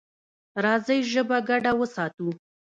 راځئ ژبه ګډه وساتو.